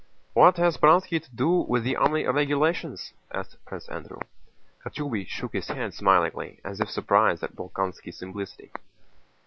"What has Speránski to do with the army regulations?" asked Prince Andrew. Kochubéy shook his head smilingly, as if surprised at Bolkónski's simplicity.